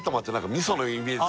味噌のイメージ